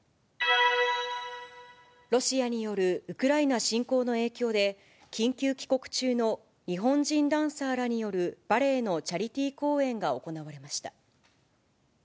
ロシアによるウクライナ侵攻の影響で、緊急帰国中の日本人ダンサーらによるバレエのチャリティー公演が行われました。